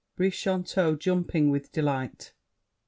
BRICHANTEAU (jumping with delight).